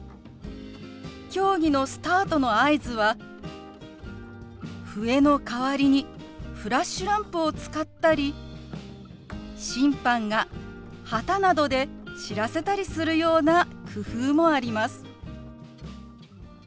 競技のスタートの合図は笛の代わりにフラッシュランプを使ったり審判が旗などで知らせたりするような工夫もあります。